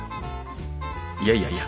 いやいやいや。